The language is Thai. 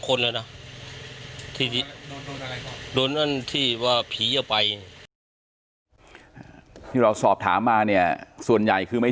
คนนะแล้วที่โดนข้อยบทที่ว่าพี่จะไปสอบถามมาเนี่ยส่วนใหญ่คือไม่